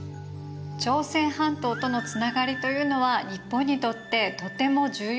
朝鮮半島とのつながりというのは日本にとってとても重要だったんですね。